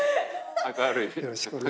明るい。